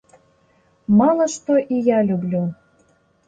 Мала што і я люблю.